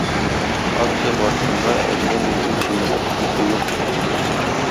Акция барышында әллә ни җир җимертеп эшлисе юк